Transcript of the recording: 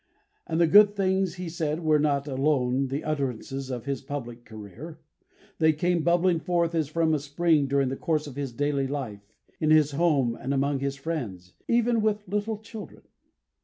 And the good things he said were not alone the utterances of his public career; they came bubbling forth as from a spring during the course of his daily life, in his home and among his friends, even with little children.